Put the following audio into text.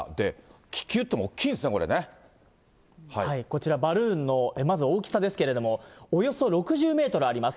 気球っていっても、こちらバルーンのまず大きさですけれども、およそ６０メートルあります。